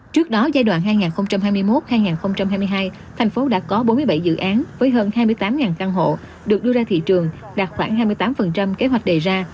trước đó giai đoạn hai nghìn hai mươi một hai nghìn hai mươi hai thành phố đã có bốn mươi bảy dự án với hơn hai mươi tám căn hộ được đưa ra thị trường đạt khoảng hai mươi tám kế hoạch đề ra